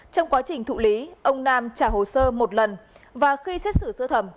trong quá trình thụ lý ông nam trả hồ sơ một lần và khi xét xử sơ thẩm